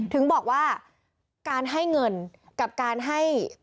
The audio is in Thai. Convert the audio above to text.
ถึงบอกว่าการให้เงินกับการให้